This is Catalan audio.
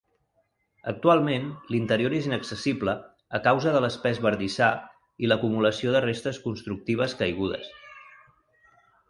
Actualment l'interior és inaccessible a causa de l'espès bardissar i l'acumulació de restes constructives caigudes.